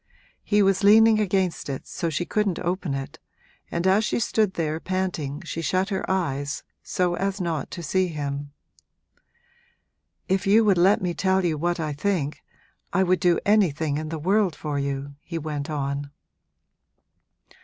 He was leaning against it, so she couldn't open it, and as she stood there panting she shut her eyes, so as not to see him. 'If you would let me tell you what I think I would do anything in the world for you!' he went on.